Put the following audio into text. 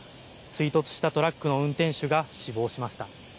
追突したトラックの運転手が死亡しました。